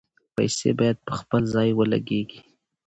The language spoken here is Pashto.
پیسې باید په خپل ځای ولګیږي.